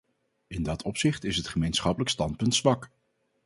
In dat opzicht is het gemeenschappelijk standpunt zwak.